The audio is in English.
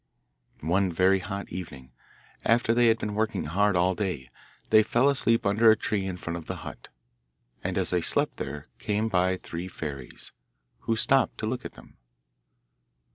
One very hot evening, after they had been working hard all day, they fell asleep under a tree in front of the hut. And as they slept there came by three fairies, who stopped to look at them.